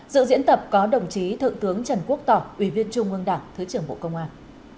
dự diễn tập có đồng chí thượng tướng trần quốc tỏ ủy viên trung ương đảng thứ trưởng bộ công an